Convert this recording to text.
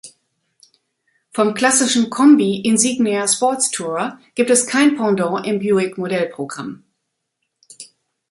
Vom klassischen Kombi Insignia Sports Tourer gibt es kein Pendant im Buick-Modellprogramm.